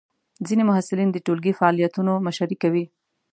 ځینې محصلین د ټولګی فعالیتونو مشري کوي.